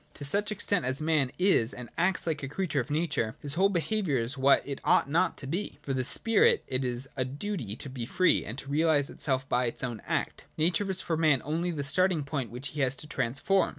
To such extent as man is and acts like a creature of nature, his whole be haviour is what it ought not to be. For the spirit it is a duty to be free, and to realise itself by its own act. Nature 24 25.J STOJ?r OF THE FALL. 57 is for man only the starting point which he has to transform.